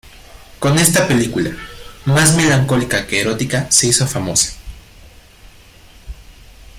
Con esta película, más melancólica que erótica, se hizo famosa.